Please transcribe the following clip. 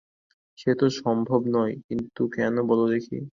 সে তো সম্ভব নয়, কিন্তু কেন বলো দেখি।